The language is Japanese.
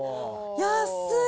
安い。